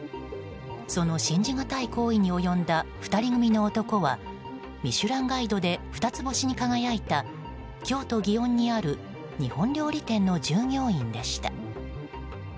その信じがたい行為に及んだ２人組の男はミシュランガイドで二つ星に輝いた京都祇園にある日本料理店の従業員でした。